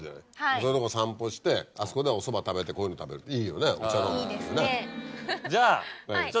そういうとこ散歩してあそこでおそば食べてこういうの食べるいいよねお茶飲む。